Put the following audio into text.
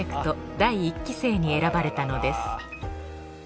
第１期生に選ばれたのです。